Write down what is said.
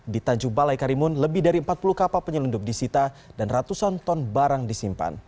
di tanjung balai karimun lebih dari empat puluh kapal penyelundup disita dan ratusan ton barang disimpan